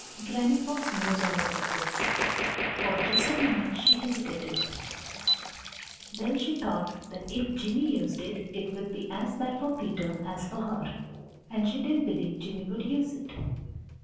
Granny Fox knows all about this. For just a minute she hesitated. Then she thought that if Jimmy used it, it would be as bad for Peter as for her, and she didn't believe Jimmy would use it.